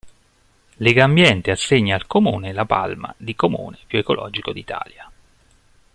Legambiente assegna al comune la palma di comune più ecologico d'Italia.